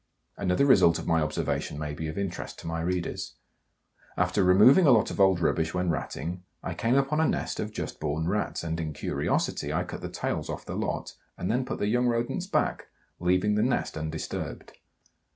Another result of my observation may be of interest to my readers. After removing a lot of old rubbish when ratting I came upon a nest of just born Rats, and, in curiosity, I cut the tails off the lot, and then put the young Rodents back, leaving the nest undisturbed.